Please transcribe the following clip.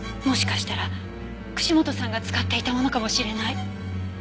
もしかしたら串本さんが使っていたものかもしれない。